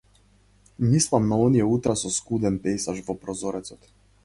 Мислам на оние утра со скуден пејсаж во прозорецот.